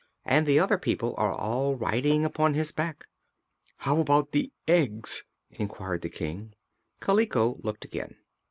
And the other people are all riding upon his back." "How about the eggs?" inquired the King. Kaliko looked again.